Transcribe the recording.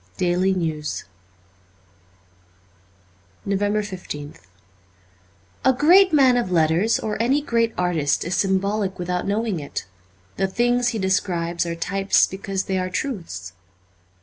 ' Daily News,' 354 NOVEMBER 15th A GREAT man of letters or any great artist is symbolic without knowing it. The things he describes are types because they are truths.